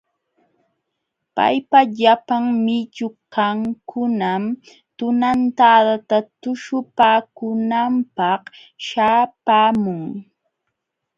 Paypa llapan willkankunam tunantadata tuśhupaakunanpaq śhapaamun.